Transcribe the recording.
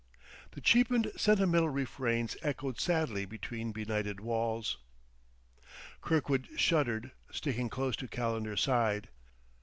The cheapened, sentimental refrains echoed sadly between benighted walls.... Kirkwood shuddered, sticking close to Calendar's side.